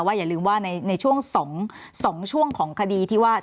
อย่าลืมว่าในช่วง๒ช่วงของคดีที่ว่า